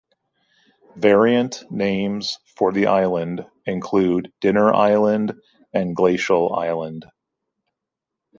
Variant names for the island include Dinner Island and Glacial Island.